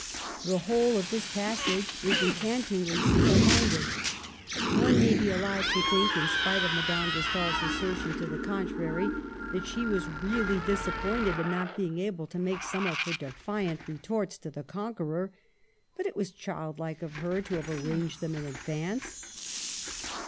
The whole of this passage is enchantingly simple minded. One may be allowed to think, in spite of Madame de Stael's assertion to the contrary, that she was really disappointed at not being able to make some of her defiant retorts to the conqueror ; but it was child like of her to have arranged them in advance